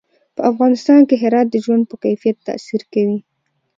په افغانستان کې هرات د ژوند په کیفیت تاثیر کوي.